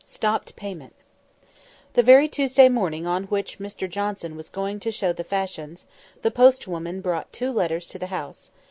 STOPPED PAYMENT THE very Tuesday morning on which Mr Johnson was going to show the fashions, the post woman brought two letters to the house.